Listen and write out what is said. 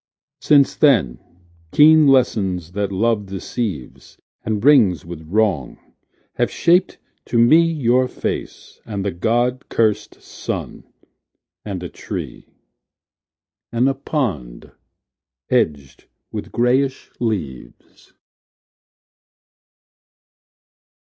... Since then, keen lessons that love deceives, And wrings with wrong, have shaped to me Your face, and the God curst sun, and a tree, And a pond edged with grayish leaves.